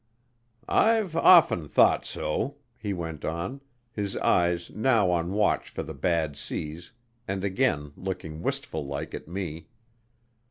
"I've often thought so," he went on, his eyes now on watch for the bad seas and again looking wistful like at me.